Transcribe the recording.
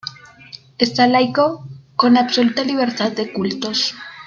Estado laico, con absoluta libertad de cultos.